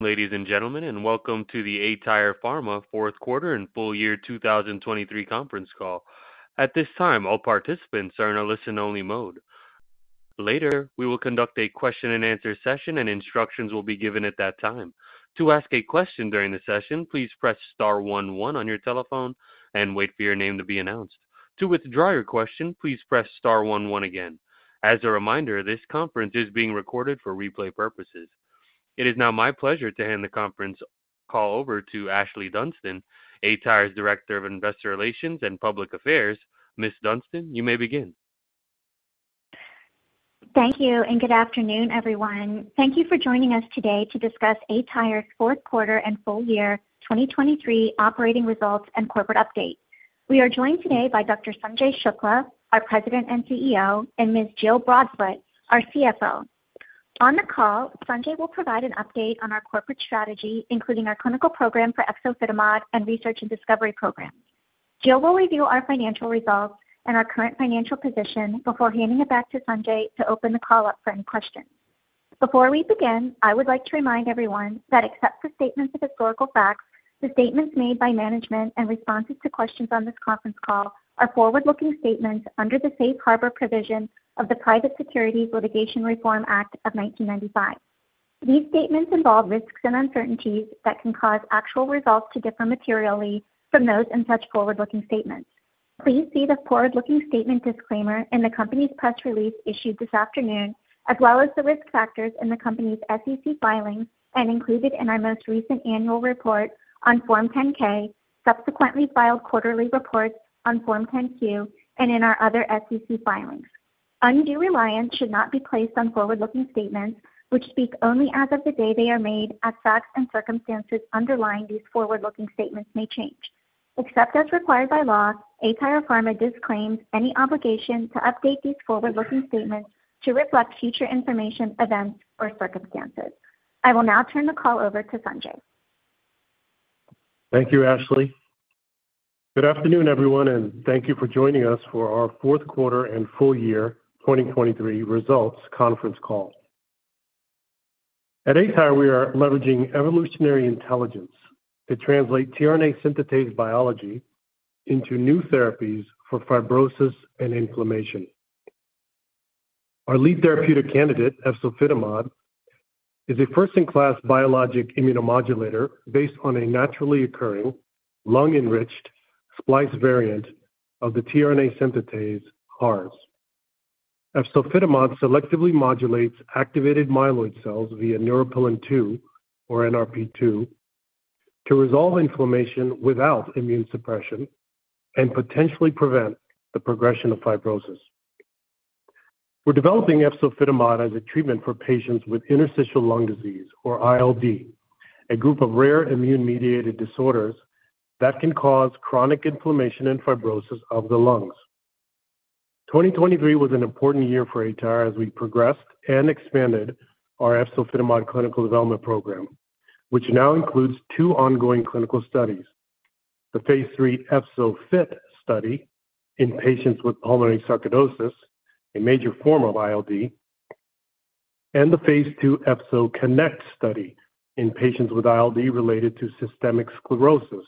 Ladies and gentlemen, and welcome to the aTyr Pharma fourth quarter and full year 2023 conference call. At this time, all participants are in a listen-only mode. Later, we will conduct a question-and-answer session, and instructions will be given at that time. To ask a question during the session, please press star one one on your telephone and wait for your name to be announced. To withdraw your question, please press star one one again. As a reminder, this conference is being recorded for replay purposes. It is now my pleasure to hand the conference call over to Ashlee Dunston, aTyr's Director of Investor Relations and Public Affairs. Ms. Dunston, you may begin. Thank you, and good afternoon, everyone. Thank you for joining us today to discuss aTyr's fourth quarter and full year 2023 operating results and corporate update. We are joined today by Dr. Sanjay Shukla, our President and CEO, and Ms. Jill Broadfoot, our CFO. On the call, Sanjay will provide an update on our corporate strategy, including our clinical program for Efzofitimod and research and discovery programs. Jill will review our financial results and our current financial position before handing it back to Sanjay to open the call up for any questions. Before we begin, I would like to remind everyone that except for statements of historical facts, the statements made by management and responses to questions on this conference call are forward-looking statements under the Safe Harbor provision of the Private Securities Litigation Reform Act of 1995. These statements involve risks and uncertainties that can cause actual results to differ materially from those in such forward-looking statements. Please see the forward-looking statement disclaimer in the company's press release issued this afternoon, as well as the risk factors in the company's SEC filings and included in our most recent annual report on Form 10-K, subsequently filed quarterly reports on Form 10-Q, and in our other SEC filings. Undue reliance should not be placed on forward-looking statements, which speak only as of the day they are made. Facts and circumstances underlying these forward-looking statements may change. Except as required by law, aTyr Pharma disclaims any obligation to update these forward-looking statements to reflect future information, events, or circumstances. I will now turn the call over to Sanjay. Thank you, Ashlee. Good afternoon, everyone, and thank you for joining us for our fourth quarter and full year 2023 results conference call. At aTyr, we are leveraging evolutionary intelligence to translate tRNA synthetase biology into new therapies for fibrosis and inflammation. Our lead therapeutic candidate, Efzofitimod, is a first-in-class biologic immunomodulator based on a naturally occurring, lung-enriched, splice variant of the tRNA synthetase HARS. Efzofitimod selectively modulates activated myeloid cells via neuropilin-2, or NRP2, to resolve inflammation without immune suppression and potentially prevent the progression of fibrosis. We're developing Efzofitimod as a treatment for patients with interstitial lung disease, or ILD, a group of rare immune-mediated disorders that can cause chronic inflammation and fibrosis of the lungs. 2023 was an important year for aTyr as we progressed and expanded our Efzofitimod clinical development program, which now includes two ongoing clinical studies: the phase lll EFZO-FIT study in patients with pulmonary sarcoidosis, a major form of ILD, and the phase ll EXOCONNECT study in patients with ILD related to systemic sclerosis,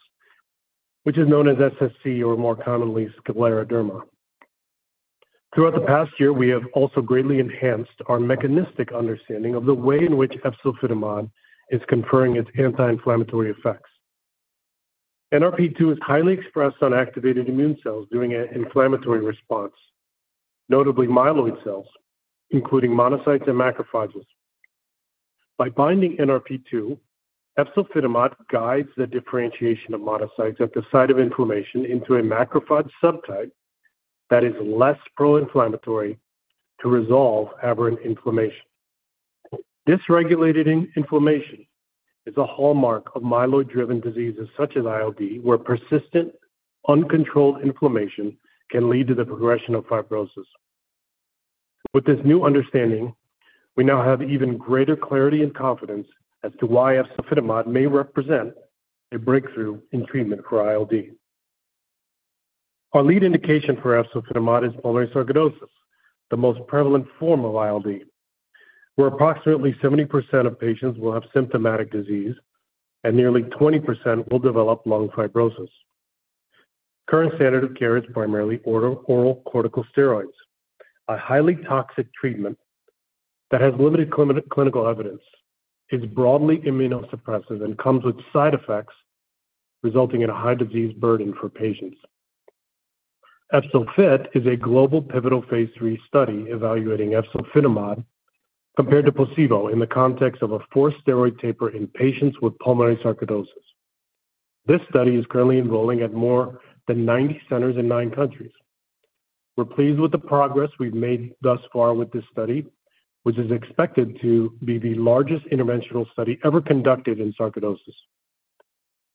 which is known as SSc, or more commonly, scleroderma. Throughout the past year, we have also greatly enhanced our mechanistic understanding of the way in which Efzofitimod is conferring its anti-inflammatory effects. NRP2 is highly expressed on activated immune cells during an inflammatory response, notably myeloid cells, including monocytes and macrophages. By binding NRP2, Efzofitimod guides the differentiation of monocytes at the site of inflammation into a macrophage subtype that is less pro-inflammatory to resolve aberrant inflammation. Dysregulated inflammation is a hallmark of myeloid-driven diseases such as ILD, where persistent, uncontrolled inflammation can lead to the progression of fibrosis. With this new understanding, we now have even greater clarity and confidence as to why Efzofitimod may represent a breakthrough in treatment for ILD. Our lead indication for Efzofitimod is pulmonary sarcoidosis, the most prevalent form of ILD, where approximately 70% of patients will have symptomatic disease and nearly 20% will develop lung fibrosis. Current standard of care is primarily oral corticosteroids, a highly toxic treatment that has limited clinical evidence, is broadly immunosuppressive, and comes with side effects resulting in a high disease burden for patients. EFZO-FIT is a global pivotal phase lll study evaluating Efzofitimod compared to placebo in the context of a four-steroid taper in patients with pulmonary sarcoidosis. This study is currently enrolling at more than 90 centers in nine countries. We're pleased with the progress we've made thus far with this study, which is expected to be the largest interventional study ever conducted in sarcoidosis.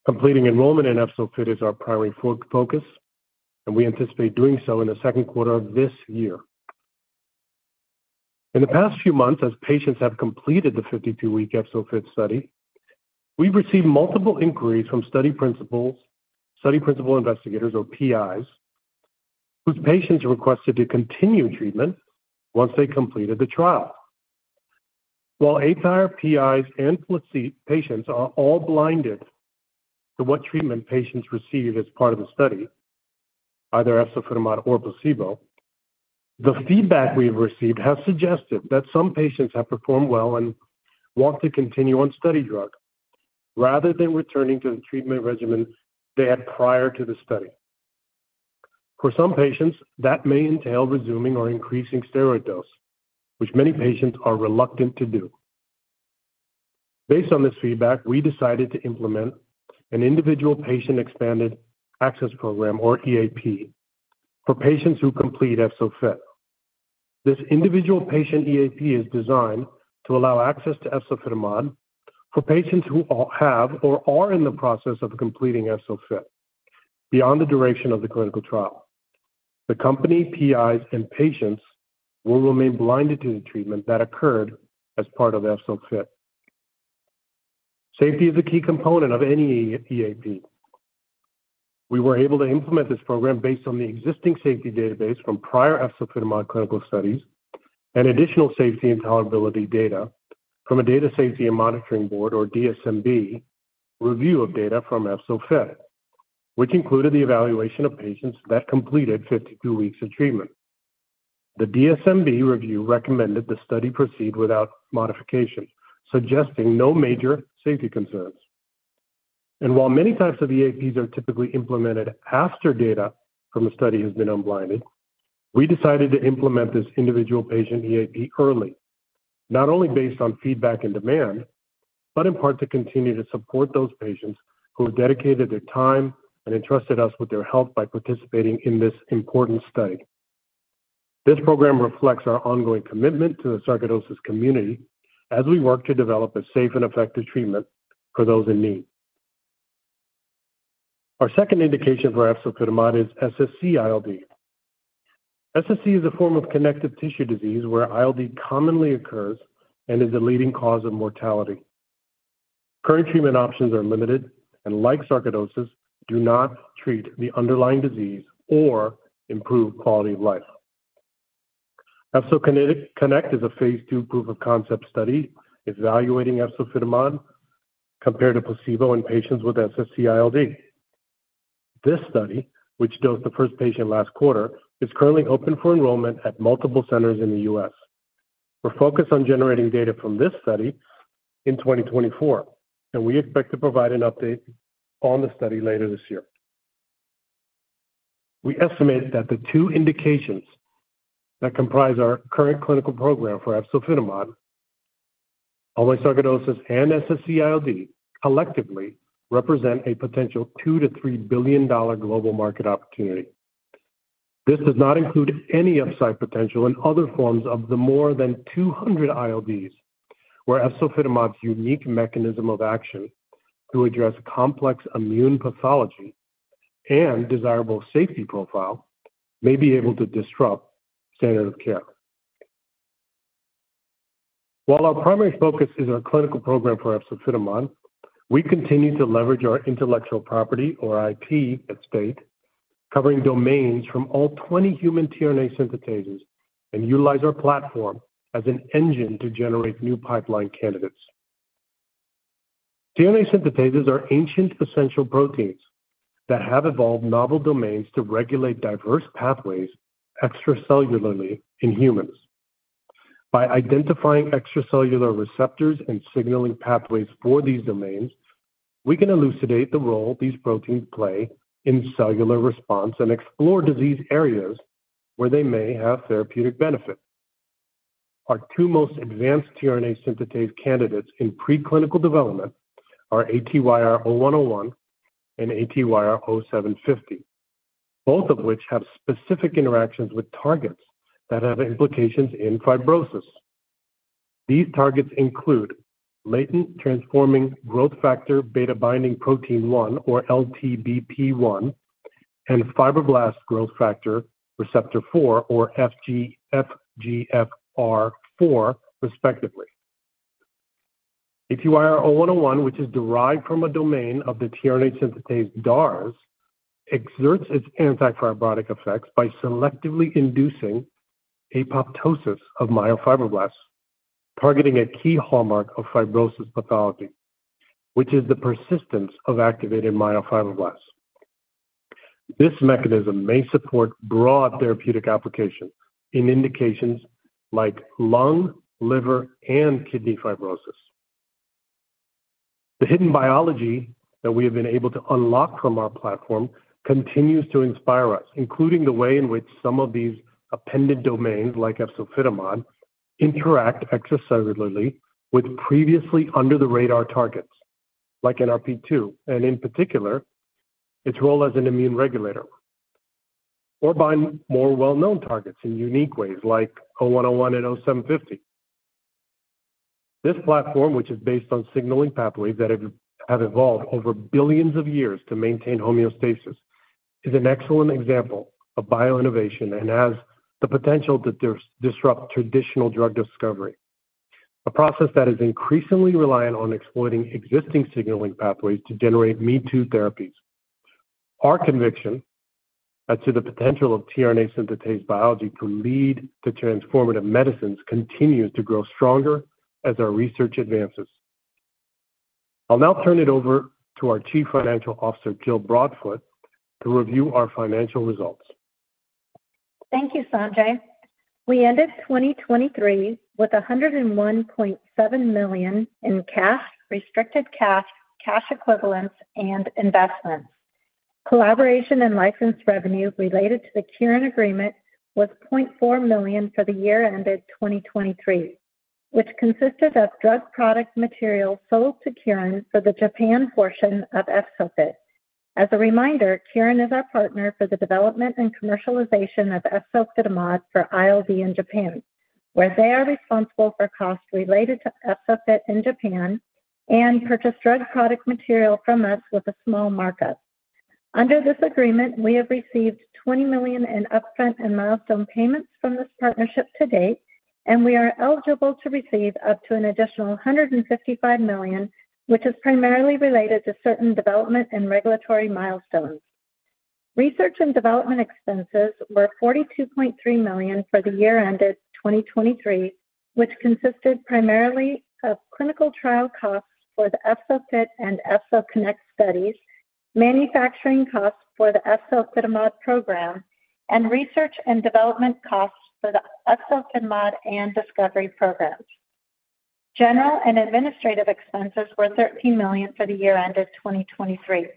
Completing enrollment in EFZO-FIT is our primary focus, and we anticipate doing so in the second quarter of this year. In the past few months, as patients have completed the 52-week EFZO-FIT study, we've received multiple inquiries from study principals, study principal investigators, or PIs, whose patients requested to continue treatment once they completed the trial. While aTyr PIs and patients are all blinded to what treatment patients received as part of the study, either Efzofitimod or placebo, the feedback we've received has suggested that some patients have performed well and want to continue on study drug rather than returning to the treatment regimen they had prior to the study. For some patients, that may entail resuming or increasing steroid dose, which many patients are reluctant to do. Based on this feedback, we decided to implement an Individual Patient Expanded Access Program, or EAP, for patients who complete EFZO-FIT. This Individual Patient EAP is designed to allow access to Efzofitimod for patients who have or are in the process of completing EFZO-FIT beyond the duration of the clinical trial. The company, PIs, and patients will remain blinded to the treatment that occurred as part of EFZO-FIT. Safety is a key component of any EAP. We were able to implement this program based on the existing safety database from prior Efzofitimod clinical studies and additional safety intolerability data from a Data and Safety Monitoring Board, or DSMB, review of data from EFZO-FIT, which included the evaluation of patients that completed 52 weeks of treatment. The DSMB review recommended the study proceed without modification, suggesting no major safety concerns. While many types of EAPs are typically implemented after data from a study has been unblinded, we decided to implement this Individual Patient EAP early, not only based on feedback and demand, but in part to continue to support those patients who have dedicated their time and entrusted us with their health by participating in this important study. This program reflects our ongoing commitment to the sarcoidosis community as we work to develop a safe and effective treatment for those in need. Our second indication for Efzofitimod is SSc-ILD. SSc is a form of connective tissue disease where ILD commonly occurs and is the leading cause of mortality. Current treatment options are limited and, like sarcoidosis, do not treat the underlying disease or improve quality of life. EFZO-CONNECT is a phase ll proof-of-concept study evaluating Efzofitimod compared to placebo in patients with SSc ILD. This study, which dosed the first patient last quarter, is currently open for enrollment at multiple centers in the U.S..We're focused on generating data from this study in 2024, and we expect to provide an update on the study later this year. We estimate that the two indications that comprise our current clinical program for Efzofitimod, pulmonary sarcoidosis, and SSc ILD collectively represent a potential $2 billion-$3 billion global market opportunity. This does not include any upside potential in other forms of the more than 200 ILDs where Efzofitimod's unique mechanism of action to address complex immune pathology and desirable safety profile may be able to disrupt standard of care. While our primary focus is our clinical program for Efzofitimod, we continue to leverage our intellectual property, or IP, estate, covering domains from all 20 human tRNA synthetases and utilize our platform as an engine to generate new pipeline candidates. tRNA synthetases are ancient essential proteins that have evolved novel domains to regulate diverse pathways extracellularly in humans. By identifying extracellular receptors and signaling pathways for these domains, we can elucidate the role these proteins play in cellular response and explore disease areas where they may have therapeutic benefit. Our two most advanced tRNA synthetase candidates in preclinical development are ATYR0101 and ATYR0750, both of which have specific interactions with targets that have implications in fibrosis. These targets include latent transforming growth factor beta-binding protein 1, or LTBP1, and fibroblast growth factor receptor 4, or FGFR4, respectively. ATYR0101, which is derived from a domain of the tRNA synthetase DARS, exerts its antifibrotic effects by selectively inducing apoptosis of myofibroblasts, targeting a key hallmark of fibrosis pathology, which is the persistence of activated myofibroblasts. This mechanism may support broad therapeutic application in indications like lung, liver, and kidney fibrosis. The hidden biology that we have been able to unlock from our platform continues to inspire us, including the way in which some of these appended domains, like Efzofitimod, interact extracellularly with previously under-the-radar targets, like NRP2, and in particular, its role as an immune regulator, or bind more well-known targets in unique ways, like 0101 and 0750. This platform, which is based on signaling pathways that have evolved over billions of years to maintain homeostasis, is an excellent example of bioinnovation and has the potential to disrupt traditional drug discovery, a process that is increasingly reliant on exploiting existing signaling pathways to generate mee-too therapies. Our conviction as to the potential of tRNA synthetase biology to lead to transformative medicines continues to grow stronger as our research advances. I'll now turn it over to our Chief Financial Officer, Jill Broadfoot, to review our financial results. Thank you, Sanjay. We ended 2023 with $101.7 million in cash, restricted cash, cash equivalents, and investments. Collaboration and license revenue related to the Kyorin Agreement was $0.4 million for the year ended 2023, which consisted of drug product material sold to Kyorin for the Japan portion of EFZO-FIT. As a reminder, Kyorin is our partner for the development and commercialization of Efzofitimod for ILD in Japan, where they are responsible for costs related to EFZO-FIT in Japan and purchase drug product material from us with a small markup. Under this agreement, we have received $20 million in upfront and milestone payments from this partnership to date, and we are eligible to receive up to an additional $155 million, which is primarily related to certain development and regulatory milestones. Research and development expenses were $42.3 million for the year ended 2023, which consisted primarily of clinical trial costs for the EFZO-FIT and EFZO-CONNECT studies, manufacturing costs for the Efzofitimod program, and research and development costs for the Efzofitimod and discovery programs. General and administrative expenses were $13 million for the year ended 2023.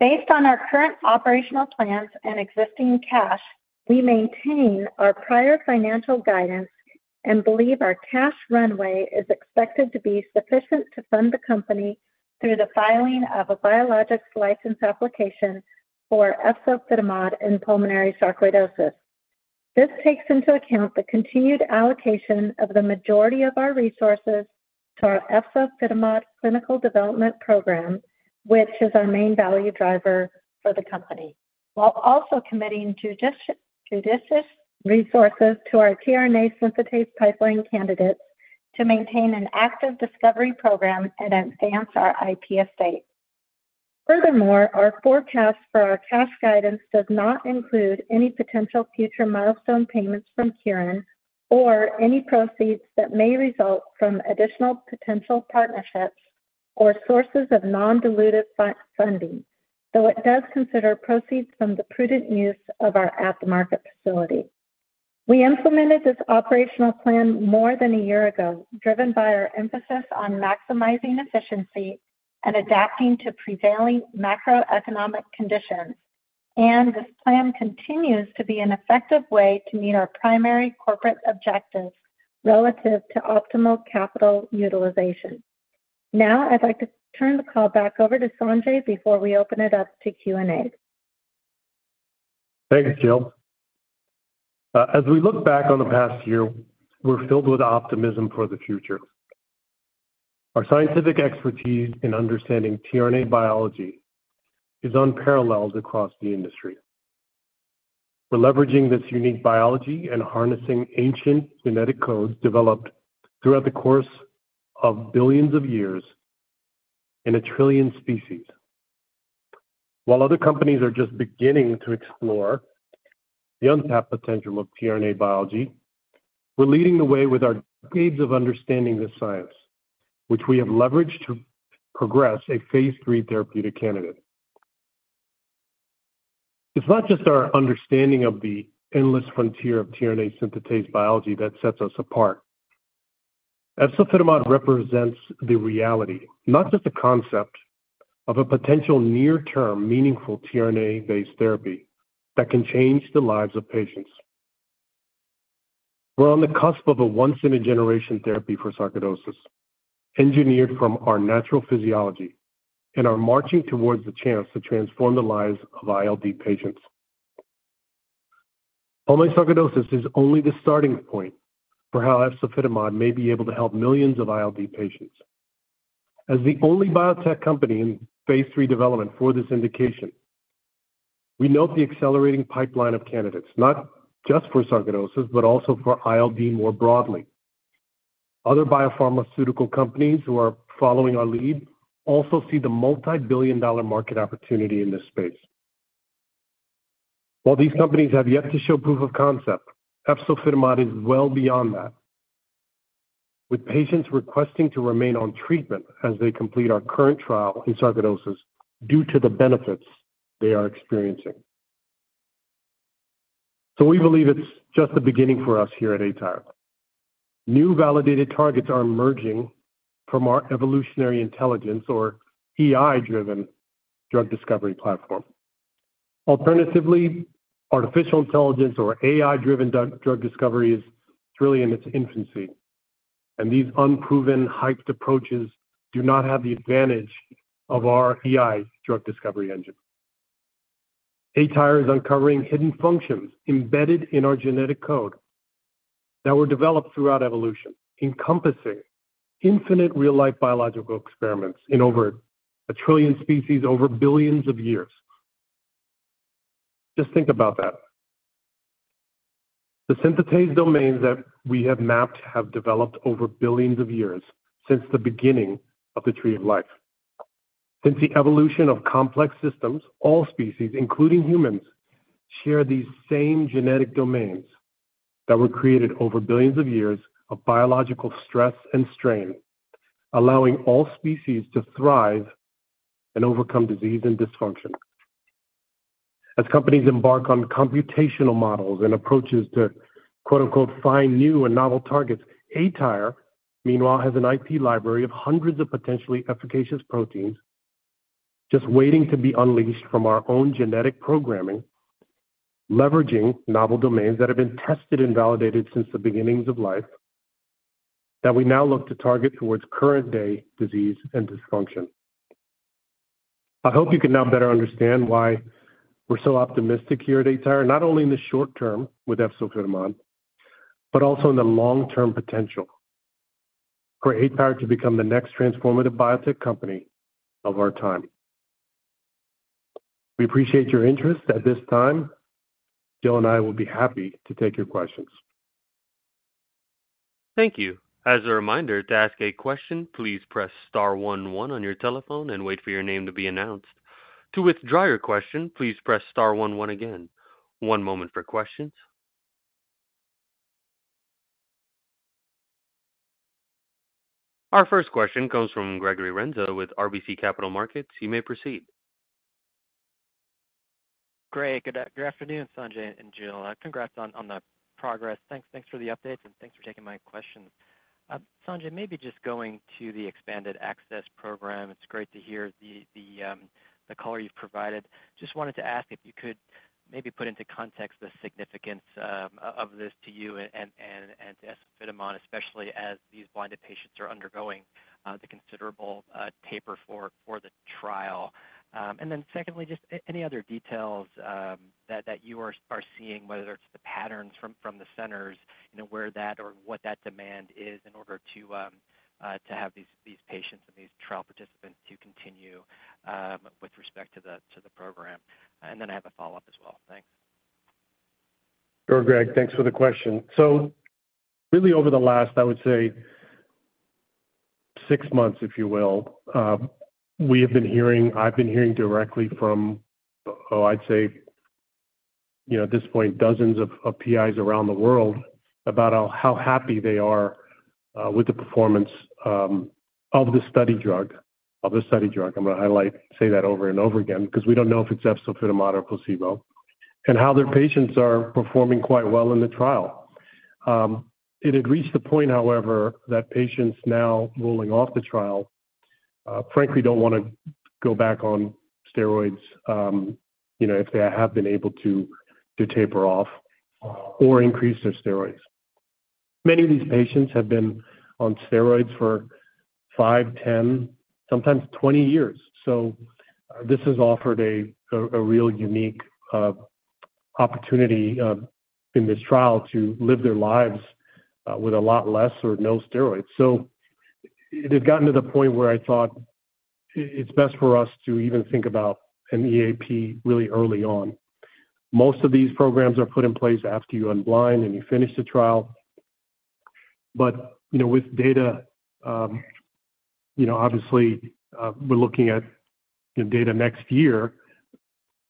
Based on our current operational plans and existing cash, we maintain our prior financial guidance and believe our cash runway is expected to be sufficient to fund the company through the filing of a biologics license application for Efzofitimod in pulmonary sarcoidosis. This takes into account the continued allocation of the majority of our resources to our Efzofitimod clinical development program, which is our main value driver for the company, while also committing judicious resources to our tRNA synthetase pipeline candidates to maintain an active discovery program and advance our IP estate. Furthermore, our forecast for our cash guidance does not include any potential future milestone payments from Kyorin or any proceeds that may result from additional potential partnerships or sources of non-dilutive funding, though it does consider proceeds from the prudent use of our aftermarket facility. We implemented this operational plan more than a year ago, driven by our emphasis on maximizing efficiency and adapting to prevailing macroeconomic conditions, and this plan continues to be an effective way to meet our primary corporate objectives relative to optimal capital utilization. Now, I'd like to turn the call back over to Sanjay before we open it up to Q&A. Thanks, Jill. As we look back on the past year, we're filled with optimism for the future. Our scientific expertise in understanding tRNA biology is unparalleled across the industry. We're leveraging this unique biology and harnessing ancient genetic codes developed throughout the course of billions of years in a trillion species. While other companies are just beginning to explore the untapped potential of tRNA biology, we're leading the way with our decades of understanding the science, which we have leveraged to progress a phase lll therapeutic candidate. It's not just our understanding of the endless frontier of tRNA synthetase biology that sets us apart. Efzofitimod represents the reality, not just a concept, of a potential near-term meaningful tRNA-based therapy that can change the lives of patients. We're on the cusp of a once-in-a-generation therapy for sarcoidosis, engineered from our natural physiology, and are marching towards the chance to transform the lives of ILD patients. Pulmonary sarcoidosis is only the starting point for how Efzofitimod may be able to help millions of ILD patients. As the only biotech company in phase lll development for this indication, we note the accelerating pipeline of candidates, not just for sarcoidosis but also for ILD more broadly. Other biopharmaceutical companies who are following our lead also see the multi-billion dollar market opportunity in this space. While these companies have yet to show proof of concept, Efzofitimod is well beyond that, with patients requesting to remain on treatment as they complete our current trial in sarcoidosis due to the benefits they are experiencing. So we believe it's just the beginning for us here at aTyr. New validated targets are emerging from our evolutionary intelligence, or EI-driven, drug discovery platform. Alternatively, artificial intelligence, or AI-driven, drug discovery is really in its infancy, and these unproven, hyped approaches do not have the advantage of our EI drug discovery engine. aTyr is uncovering hidden functions embedded in our genetic code that were developed throughout evolution, encompassing infinite real-life biological experiments in over a trillion species over billions of years. Just think about that. The synthetase domains that we have mapped have developed over billions of years since the beginning of the tree of life. Since the evolution of complex systems, all species, including humans, share these same genetic domains that were created over billions of years of biological stress and strain, allowing all species to thrive and overcome disease and dysfunction. As companies embark on computational models and approaches to "find new and novel targets," aTyr, meanwhile, has an IP library of hundreds of potentially efficacious proteins just waiting to be unleashed from our own genetic programming, leveraging novel domains that have been tested and validated since the beginnings of life that we now look to target towards current-day disease and dysfunction. I hope you can now better understand why we're so optimistic here at aTyr, not only in the short term with Efzofitimod but also in the long-term potential for aTyr to become the next transformative biotech company of our time. We appreciate your interest. At this time, Jill and I will be happy to take your questions. Thank you. As a reminder, to ask a question, please press star one one on your telephone and wait for your name to be announced. To withdraw your question, please press star one one again. One moment for questions. Our first question comes from Gregory Renza with RBC Capital Markets. You may proceed. Great. Good afternoon, Sanjay and Jill. Congrats on the progress. Thanks for the updates, and thanks for taking my questions. Sanjay, maybe just going to the expanded access program. It's great to hear the color you've provided. Just wanted to ask if you could maybe put into context the significance of this to you and to Efzofitimod, especially as these blinded patients are undergoing the considerable taper for the trial. And then secondly, just any other details that you are seeing, whether it's the patterns from the centers, where that or what that demand is in order to have these patients and these trial participants continue with respect to the program. And then I have a follow-up as well. Thanks. Sure, Greg. Thanks for the question. So really, over the last, I would say, six months, if you will, we have been hearing directly from, oh, I'd say, at this point, dozens of PIs around the world about how happy they are with the performance of the study drug, of the study drug. I'm going to say that over and over again because we don't know if it's Efzofitimod or placebo, and how their patients are performing quite well in the trial. It had reached the point, however, that patients now rolling off the trial, frankly, don't want to go back on steroids if they have been able to taper off or increase their steroids. Many of these patients have been on steroids for five, 10, sometimes 20 years. So this has offered a real unique opportunity in this trial to live their lives with a lot less or no steroids. So it had gotten to the point where I thought it's best for us to even think about an EAP really early on. Most of these programs are put in place after you unblind and you finish the trial. But with data, obviously, we're looking at data next year.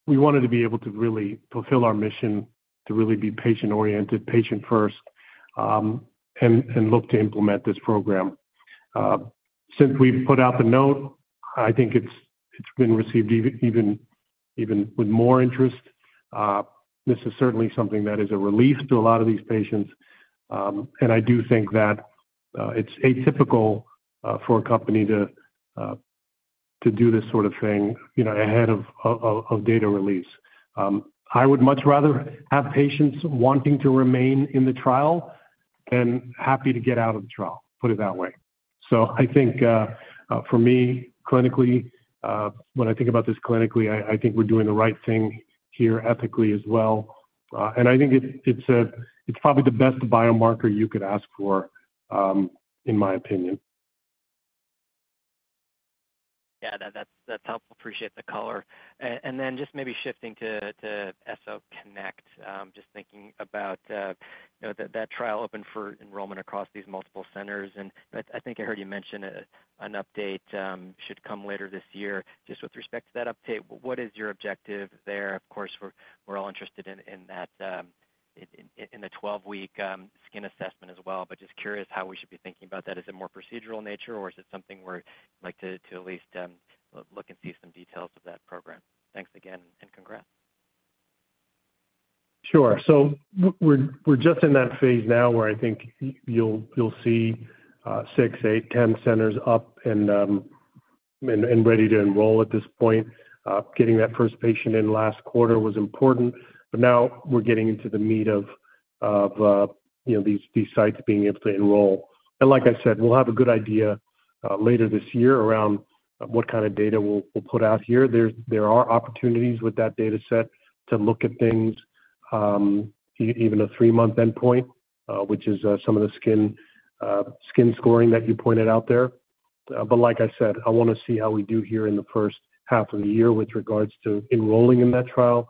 We wanted to be able to really fulfill our mission to really be patient-oriented, patient-first, and look to implement this program. Since we've put out the note, I think it's been received even with more interest. This is certainly something that is a relief to a lot of these patients. And I do think that it's atypical for a company to do this sort of thing ahead of data release. I would much rather have patients wanting to remain in the trial than happy to get out of the trial, put it that way. So I think, for me, clinically, when I think about this clinically, I think we're doing the right thing here ethically as well. And I think it's probably the best biomarker you could ask for, in my opinion. Yeah, that's helpful. Appreciate the color. And then just maybe shifting to EXOCONNECTt, just thinking about that trial open for enrollment across these multiple centers. And I think I heard you mention an update should come later this year. Just with respect to that update, what is your objective there? Of course, we're all interested in the 12-week skin assessment as well, but just curious how we should be thinking about that. Is it more procedural nature, or is it something where you'd like to at least look and see some details of that program? Thanks again, and congrats. Sure. We're just in that phase now where I think you'll see six, eight, 10 centers up and ready to enroll at this point. Getting that first patient in last quarter was important. But now we're getting into the meat of these sites being able to enroll. And like I said, we'll have a good idea later this year around what kind of data we'll put out here. There are opportunities with that dataset to look at things, even a 3-month endpoint, which is some of the skin scoring that you pointed out there. But like I said, I want to see how we do here in the first half of the year with regards to enrolling in that trial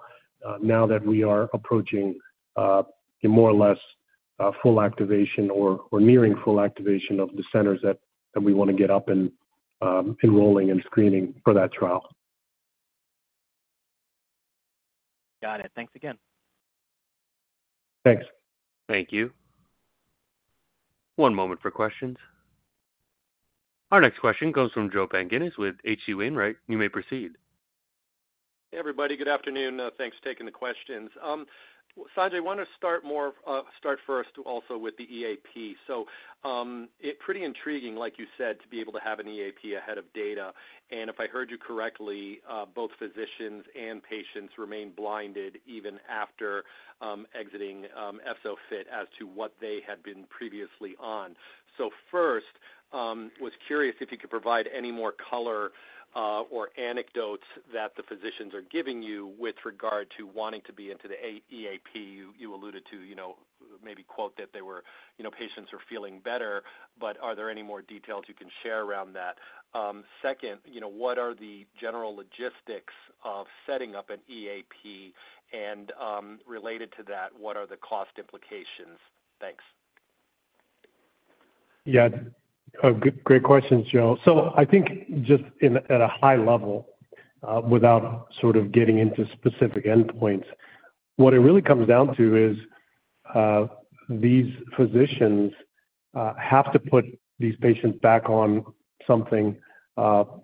now that we are approaching more or less full activation or nearing full activation of the centers that we want to get up and enrolling and screening for that trial. Got it. Thanks again. Thanks. Thank you. One moment for questions. Our next question comes from Joe Pantginis with H.C. Wainwright. You may proceed. Hey, everybody. Good afternoon. Thanks for taking the questions. Sanjay, I want to start first also with the EAP. So pretty intriguing, like you said, to be able to have an EAP ahead of data. If I heard you correctly, both physicians and patients remain blinded even after exiting EFZO-FIT as to what they had been previously on. First, was curious if you could provide any more color or anecdotes that the physicians are giving you with regard to wanting to be into the EAP. You alluded to maybe quote that patients are feeling better, but are there any more details you can share around that? Second, what are the general logistics of setting up an EAP, and related to that, what are the cost implications? Thanks. Yeah, great questions, Joe. So I think just at a high level, without sort of getting into specific endpoints, what it really comes down to is these physicians have to put these patients back on something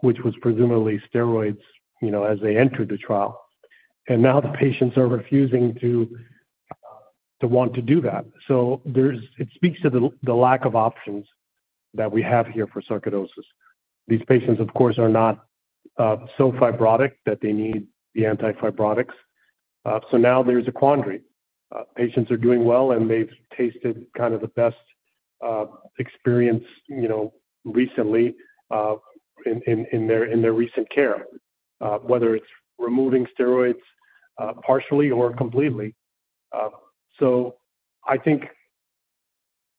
which was presumably steroids as they entered the trial. And now the patients are refusing to want to do that. So it speaks to the lack of options that we have here for sarcoidosis. These patients, of course, are not so fibrotic that they need the anti-fibrotics. So now there's a quandary. Patients are doing well, and they've tasted kind of the best experience recently in their recent care, whether it's removing steroids partially or completely. So I think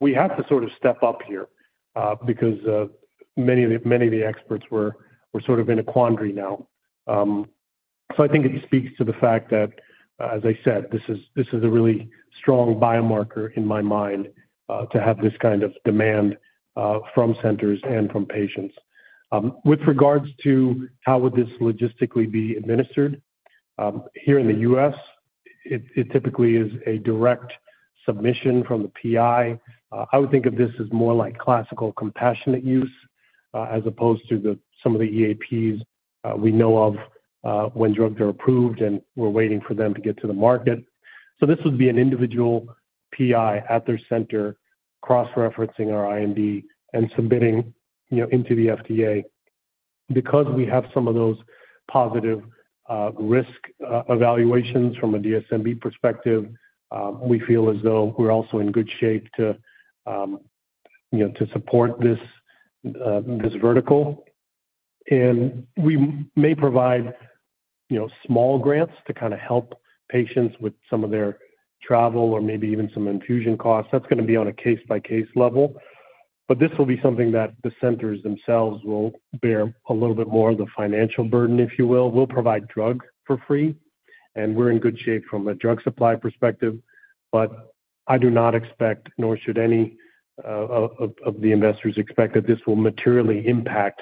we have to sort of step up here because many of the experts were sort of in a quandary now. So I think it speaks to the fact that, as I said, this is a really strong biomarker in my mind to have this kind of demand from centers and from patients. With regards to how would this logistically be administered, here in the U.S., it typically is a direct submission from the PI. I would think of this as more like classical compassionate use as opposed to some of the EAPs we know of when drugs are approved and we're waiting for them to get to the market. So this would be an individual PI at their center cross-referencing our IMD and submitting into the FDA. Because we have some of those positive risk evaluations from a DSMB perspective, we feel as though we're also in good shape to support this vertical. And we may provide small grants to kind of help patients with some of their travel or maybe even some infusion costs. That's going to be on a case-by-case level. But this will be something that the centers themselves will bear a little bit more of the financial burden, if you will. We'll provide drug for free, and we're in good shape from a drug supply perspective. But I do not expect, nor should any of the investors expect, that this will materially impact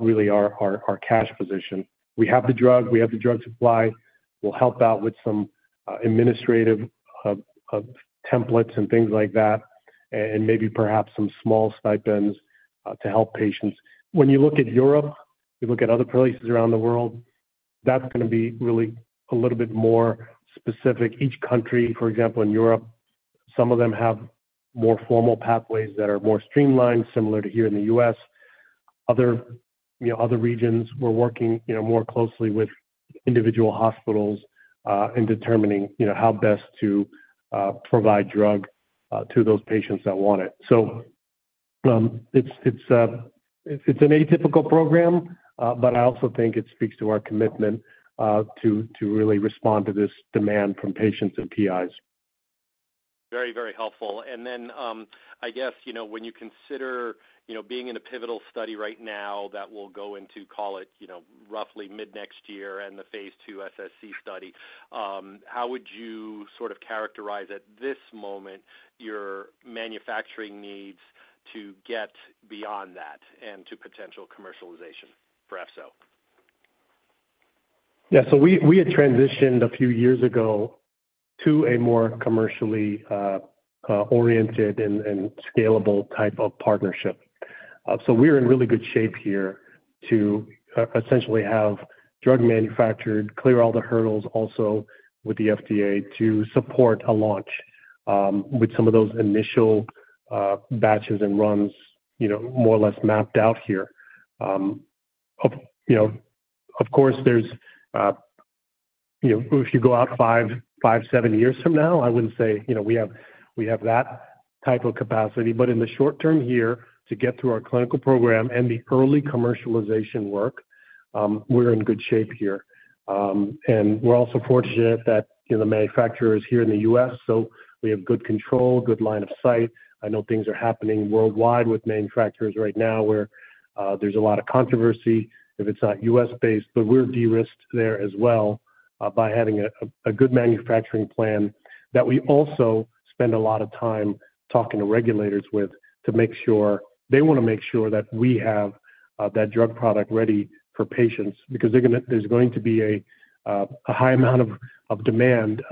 really our cash position. We have the drug. We have the drug supply. We'll help out with some administrative templates and things like that and maybe perhaps some small stipends to help patients. When you look at Europe, you look at other places around the world, that's going to be really a little bit more specific. Each country, for example, in Europe, some of them have more formal pathways that are more streamlined, similar to here in the U.S. Other regions, we're working more closely with individual hospitals in determining how best to provide drug to those patients that want it. It's an atypical program, but I also think it speaks to our commitment to really respond to this demand from patients and PIs. Very, very helpful. And then I guess when you consider being in a pivotal study right now that will go into, call it, roughly mid-next year and the phase ll SSC study, how would you sort of characterize at this moment your manufacturing needs to get beyond that and to potential commercialization for EXO? Yeah. So we had transitioned a few years ago to a more commercially oriented and scalable type of partnership. So we're in really good shape here to essentially have drug manufactured, clear all the hurdles also with the FDA to support a launch with some of those initial batches and runs more or less mapped out here. Of course, if you go out 5-7 years from now, I wouldn't say we have that type of capacity. But in the short term here, to get through our clinical program and the early commercialization work, we're in good shape here. And we're also fortunate that the manufacturer is here in the U.S., so we have good control, good line of sight. I know things are happening worldwide with manufacturers right now where there's a lot of controversy if it's not U.S.-based. But we're de-risked there as well by having a good manufacturing plan that we also spend a lot of time talking to regulators with to make sure they want to make sure that we have that drug product ready for patients because there's going to be a high amount of demand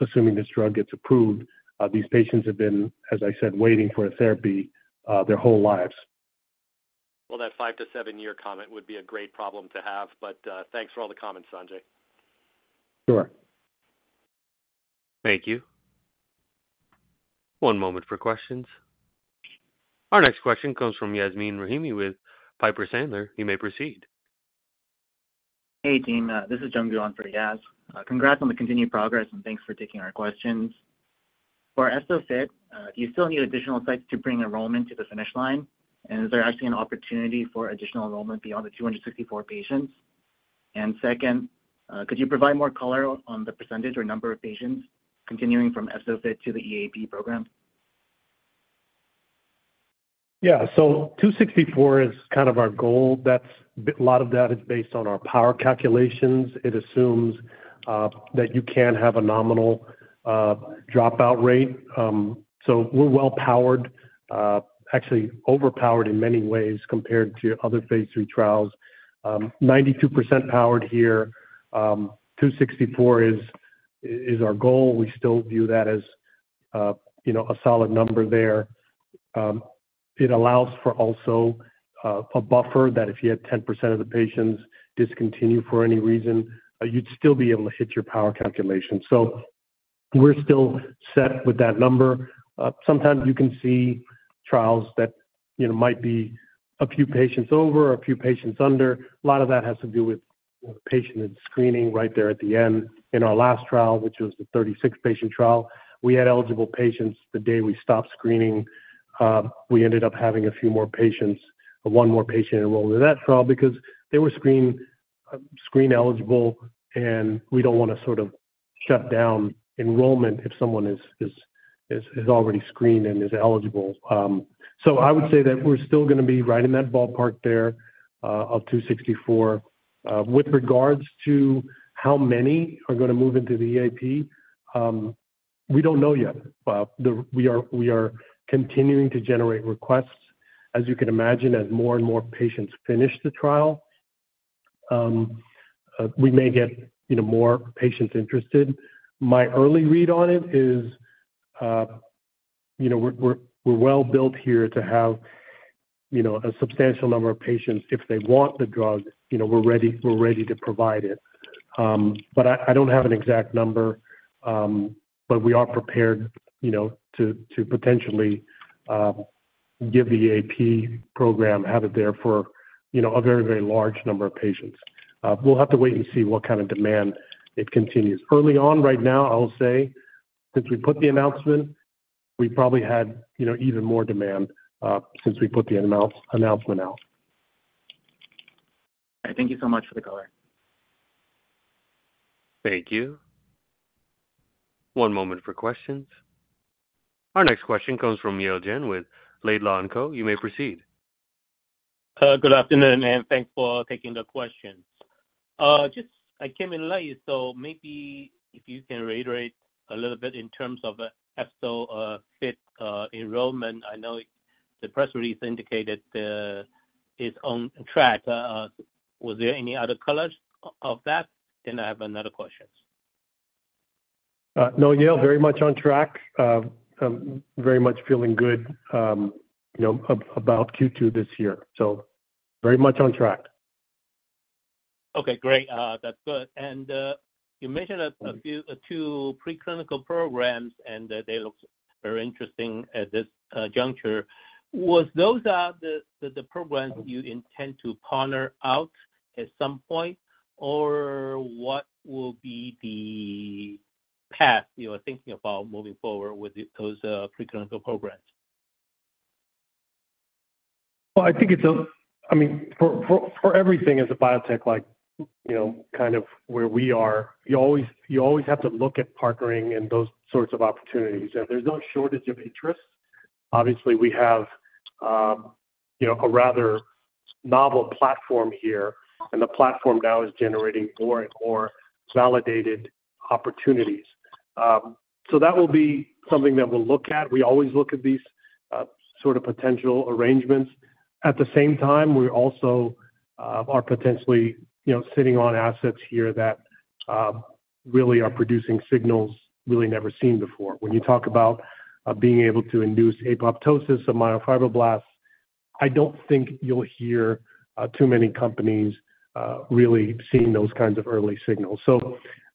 assuming this drug gets approved. These patients have been, as I said, waiting for a therapy their whole lives. Well, that 5-7-year comment would be a great problem to have. But thanks for all the comments, Sanjay. Sure. Thank you. One moment for questions. Our next question comes from Yasmin Rahimi with Piper Sandler. You may proceed. Hey, team. This is Joon Lee for Yaz. Congrats on the continued progress, and thanks for taking our questions. For EFZO-FIT, do you still need additional sites to bring enrollment to the finish line? And is there actually an opportunity for additional enrollment beyond the 264 patients? And second, could you provide more color on the percentage or number of patients continuing from EFZO-FIT to the EAP program? Yeah. So 264 is kind of our goal. A lot of that is based on our power calculations. It assumes that you can have a nominal dropout rate. So we're well-powered, actually overpowered in many ways compared to other phase lll trials. 92% powered here, 264 is our goal. We still view that as a solid number there. It allows for also a buffer that if you had 10% of the patients discontinue for any reason, you'd still be able to hit your power calculation. So we're still set with that number. Sometimes you can see trials that might be a few patients over, a few patients under. A lot of that has to do with the patient and screening right there at the end. In our last trial, which was the 36-patient trial, we had eligible patients. The day we stopped screening, we ended up having a few more patients, one more patient enrolled in that trial because they were screen-eligible, and we don't want to sort of shut down enrollment if someone is already screened and is eligible. So I would say that we're still going to be right in that ballpark there of 264. With regards to how many are going to move into the EAP, we don't know yet. We are continuing to generate requests. As you can imagine, as more and more patients finish the trial, we may get more patients interested. My early read on it is we're well built here to have a substantial number of patients. If they want the drug, we're ready to provide it. But I don't have an exact number, but we are prepared to potentially give the EAP program have it there for a very, very large number of patients. We'll have to wait and see what kind of demand it continues. Early on right now, I'll say, since we put the announcement, we probably had even more demand since we put the announcement out. All right. Thank you so much for the color. Thank you. One moment for questions. Our next question comes from Yale Jen with Laidlaw & Co. You may proceed. Good afternoon, and thanks for taking the questions. I came in late, so maybe if you can reiterate a little bit in terms of EFZO-FIT enrollment. I know the press release indicated it's on track. Was there any other color on that? Then I have another question. No, Yale, very much on track. I'm very much feeling good about Q2 this year. So very much on track. Okay. Great. That's good. You mentioned two preclinical programs, and they look very interesting at this juncture. Were those the programs you intend to partner out at some point, or what will be the path you are thinking about moving forward with those preclinical programs? Well, I think it's a I mean, for everything as a biotech, kind of where we are, you always have to look at partnering and those sorts of opportunities. There's no shortage of interest. Obviously, we have a rather novel platform here, and the platform now is generating more and more validated opportunities. That will be something that we'll look at. We always look at these sort of potential arrangements. At the same time, we also are potentially sitting on assets here that really are producing signals really never seen before. When you talk about being able to induce apoptosis of myofibroblasts, I don't think you'll hear too many companies really seeing those kinds of early signals.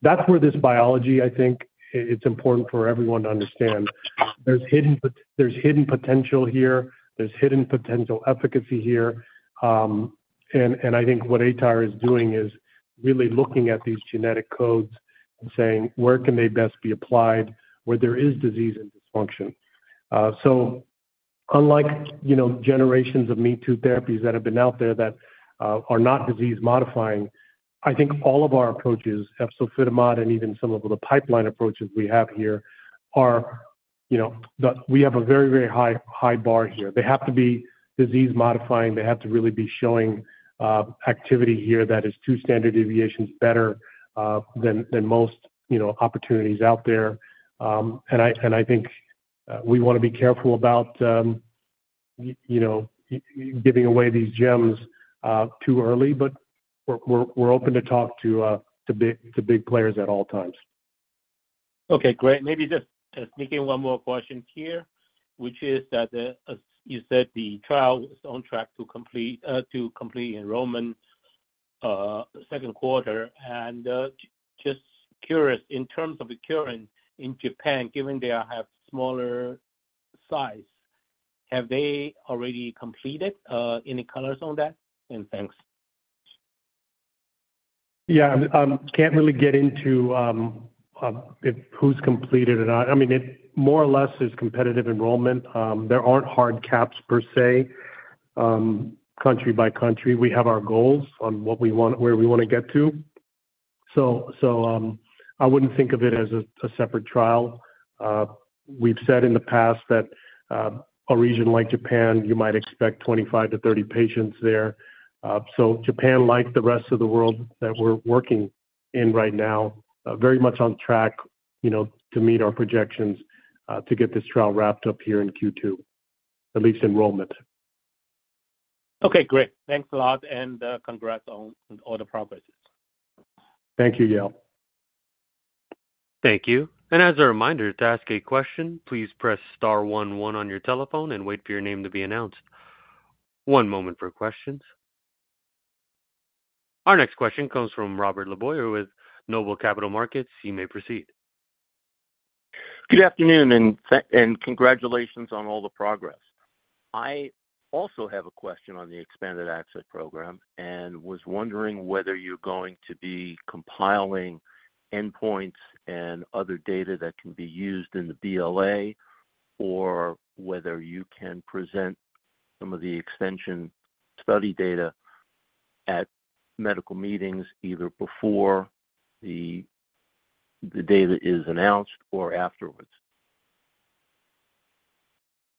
That's where this biology, I think, it's important for everyone to understand. There's hidden potential here. There's hidden potential efficacy here. I think what aTyr is doing is really looking at these genetic codes and saying, "Where can they best be applied where there is disease and dysfunction?" So unlike generations of me-too therapies that have been out there that are not disease-modifying, I think all of our approaches, Efzofitimod and even some of the pipeline approaches we have here, are that we have a very, very high bar here. They have to be disease-modifying. They have to really be showing activity here that is two standard deviations better than most opportunities out there. And I think we want to be careful about giving away these gems too early, but we're open to talk to big players at all times. Okay. Great. Maybe just sneak in one more question here, which is that you said the trial was on track to complete enrollment second quarter. And just curious, in terms of the cohort in Japan, given they have smaller size, have they already completed? Any colors on that? And thanks. Yeah. I can't really get into who's completed or not. I mean, it more or less is competitive enrollment. There aren't hard caps per se country by country. We have our goals on where we want to get to. So I wouldn't think of it as a separate trial. We've said in the past that a region like Japan, you might expect 25-30 patients there. So Japan, like the rest of the world that we're working in right now, very much on track to meet our projections to get this trial wrapped up here in Q2, at least enrollment. Okay. Great. Thanks a lot, and congrats on all the progresses. Thank you, Yale. Thank you. As a reminder, to ask a question, please press star one one on your telephone and wait for your name to be announced. One moment for questions. Our next question comes from Robert LeBoyer with Noble Capital Markets. You may proceed. Good afternoon and congratulations on all the progress. I also have a question on the Expanded Access Program and was wondering whether you're going to be compiling endpoints and other data that can be used in the BLA or whether you can present some of the extension study data at medical meetings either before the data is announced or afterwards.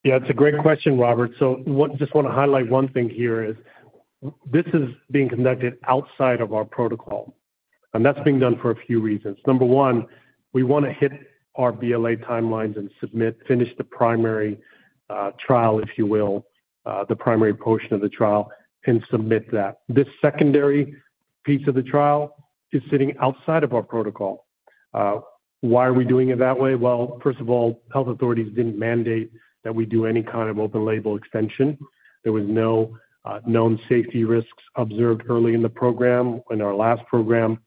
Yeah. It's a great question, Robert. So I just want to highlight one thing here is this is being conducted outside of our protocol, and that's being done for a few reasons. Number one, we want to hit our BLA timelines and finish the primary trial, if you will, the primary portion of the trial, and submit that. This secondary piece of the trial is sitting outside of our protocol. Why are we doing it that way? Well, first of all, health authorities didn't mandate that we do any kind of open-label extension. There were no known safety risks observed early in the program, in our last program.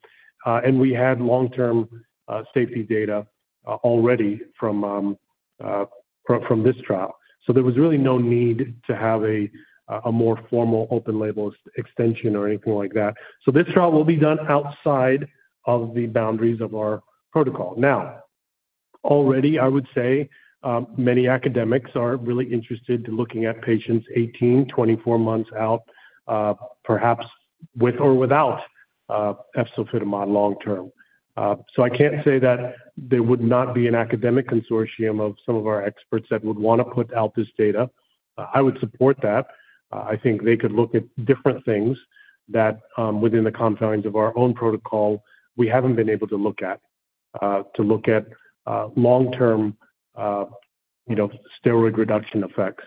And we had long-term safety data already from this trial. So there was really no need to have a more formal open-label extension or anything like that. So this trial will be done outside of the boundaries of our protocol. Now, already, I would say many academics are really interested in looking at patients 18, 24 months out, perhaps with or without Efzofitimod long-term. So I can't say that there would not be an academic consortium of some of our experts that would want to put out this data. I would support that. I think they could look at different things that within the confines of our own protocol, we haven't been able to look at, to look at long-term steroid reduction effects.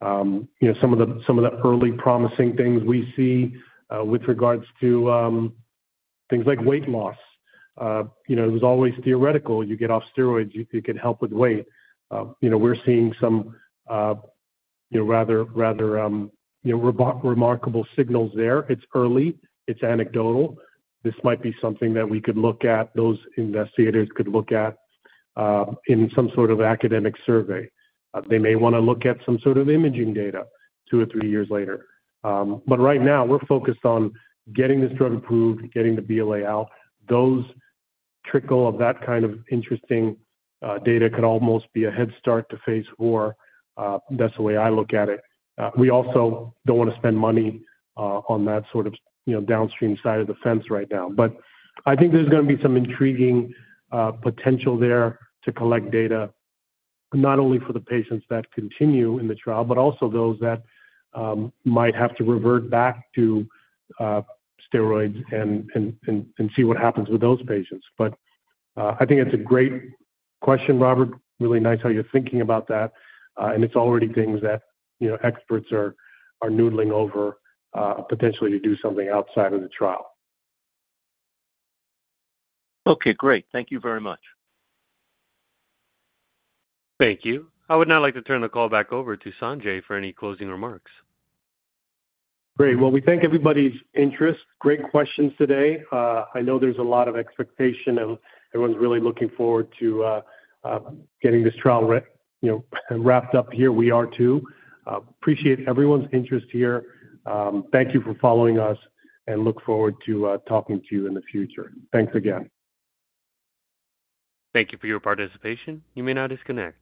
Some of the early promising things we see with regards to things like weight loss, it was always theoretical. You get off steroids, it could help with weight. We're seeing some rather remarkable signals there. It's early. It's anecdotal. This might be something that we could look at, those investigators could look at in some sort of academic survey. They may want to look at some sort of imaging data two or three years later. But right now, we're focused on getting this drug approved, getting the BLA out. Those trickle of that kind of interesting data could almost be a head start to phase four. That's the way I look at it. We also don't want to spend money on that sort of downstream side of the fence right now. But I think there's going to be some intriguing potential there to collect data, not only for the patients that continue in the trial, but also those that might have to revert back to steroids and see what happens with those patients. But I think it's a great question, Robert. Really nice how you're thinking about that. And it's already things that experts are noodling over, potentially to do something outside of the trial. Okay. Great. Thank you very much. Thank you. I would now like to turn the call back over to Sanjay for any closing remarks. Great. Well, we thank everybody's interest. Great questions today. I know there's a lot of expectation, and everyone's really looking forward to getting this trial wrapped up here. We are too. Appreciate everyone's interest here. Thank you for following us, and look forward to talking to you in the future. Thanks again. Thank you for your participation. You may now disconnect.